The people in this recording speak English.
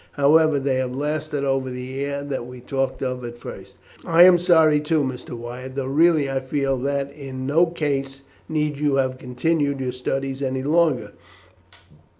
However, they have lasted over the year that we talked of at first." "I am sorry too, Mr. Wyatt; though really I feel that in no case need you have continued your studies any longer.